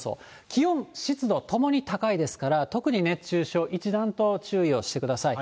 気温、湿度ともに高いですから、特に熱中症、一段と注意をしてください。